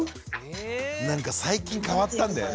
なんか最近変わったんだよね。